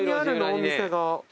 お店が。